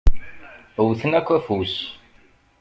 Wwtent akk afus.